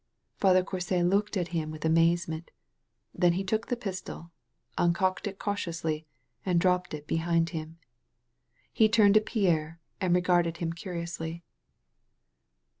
Father Courpy lopked at him with amazement. Then he took the pistol, uncocked it cautiously, and dropped it behind him. He turned to Pierre and regarded him curiously.